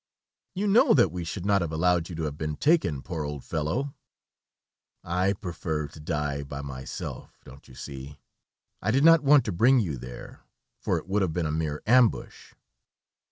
"You know that we should not have allowed you to have been taken, poor old fellow." "I preferred to die by myself, don't you see! I did not want to bring you there, for it would have been a mere ambush."